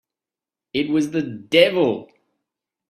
It was the devil!